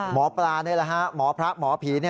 หมอปลาหมอพระหมอผี